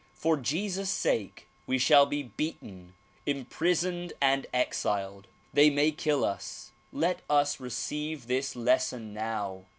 For Jesus' sake we shall be beaten, imprisoned and exiled. They may kill us. Let us receive this lesson now.